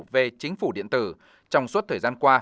về chính phủ điện tử trong suốt thời gian qua